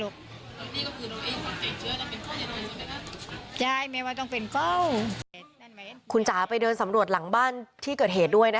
และสุดท้ายก็ไม่เห็นไงกับคุณลุนด้วยหลังใบเกิด